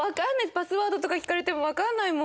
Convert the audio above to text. パスワードとか聞かれてもわからないもん。